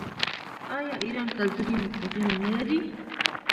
آیا ایران کلتوري مرکزونه نلري؟